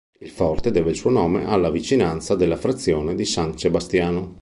Il forte deve il suo nome alla vicinanza della frazione di San Sebastiano.